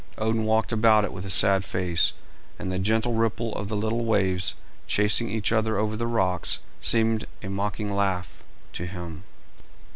Odin walked about it with a sad face, and the gentle ripple of the little waves chasing each other over the rocks seemed a mocking laugh to him.